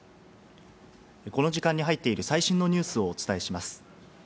この時間に入っている最新のニュースをお伝えします。